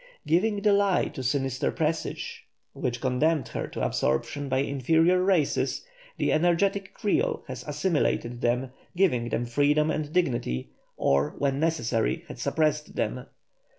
Giving the lie to sinister presage, which condemned her to absorption by inferior races, the energetic Creole has assimilated them, giving them freedom and dignity, or, when necessary, has suppressed them.